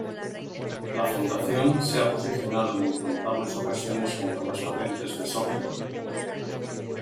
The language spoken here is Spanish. La Fundación se ha posicionado en incontables ocasiones contra las patentes de software.